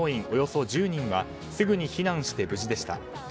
およそ１０人はすぐに避難して無事でした。